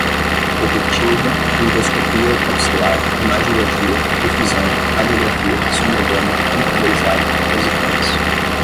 detectiva, endoscopia capsular, imagiologia, difusão, radiografia, sonda gama, computadorizada, positrões